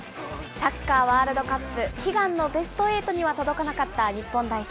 サッカーワールドカップ、悲願のベストエイトには届かなかった日本代表。